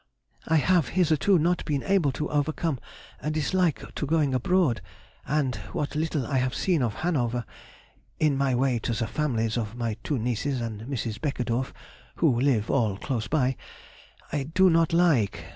I have hitherto not been able to overcome a dislike to going abroad, and what little I have seen of Hanover (in my way to the families of my two nieces and Mrs. Beckedorff, who live all close by) I do not like!